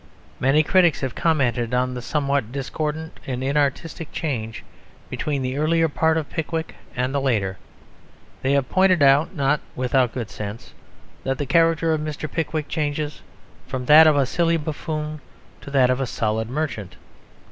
Many critics have commented on the somewhat discordant and inartistic change between the earlier part of Pickwick and the later; they have pointed out, not without good sense, that the character of Mr. Pickwick changes from that of a silly buffoon to that of a solid merchant.